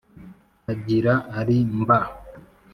agira ari mbaaa